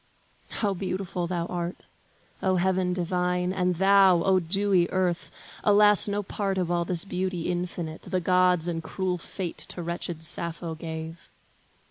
How beautiful thou art, O heaven divine, And thou, O dewy earth! Alas no part Of all this beauty infinite, the gods And cruel fate to wretched Sappho gave!